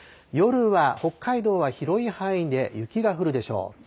夜は北海道は広い範囲で雪が降るでしょう。